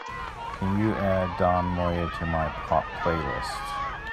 Can you add don moye to my Pop playlist?